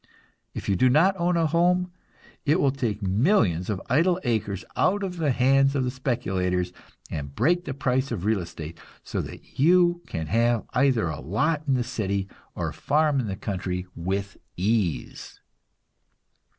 If you do not own a home, it will take millions of idle acres out of the hands of the speculators, and break the price of real estate, so that you can have either a lot in the city or a farm in the country with ease."